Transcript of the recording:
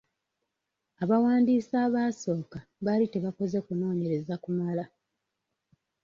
Abawandiisi abaasooka baali tebakoze kunoonyereza kumala.